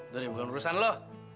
dori bukan urusan lo